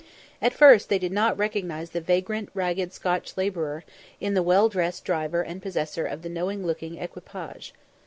At first they did not recognise the vagrant, ragged Scotch labourer, in the well dressed driver and possessor of the "knowing looking" equipage.